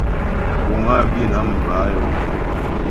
Guŋ á Bǐnam bə́ á yɔm mkúŋ.